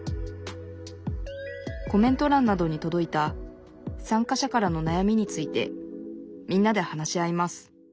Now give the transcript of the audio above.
コメントらんなどにとどいた参加者からのなやみについてみんなで話し合います